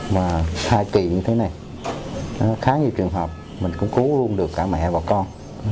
mà thai kỳ như thế này khá nhiều trường hợp mình cũng cố luôn được cả mẹ và con